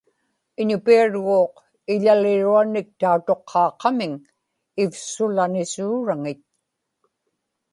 Iñupiarguuq iḷaliruanik tautuqqaaqamiŋ ivsulanisuuraŋit